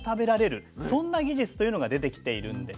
そんな技術というのが出てきているんです。